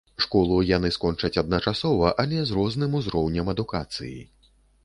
Школу яны скончаць адначасова, але з розным узроўнем адукацыі.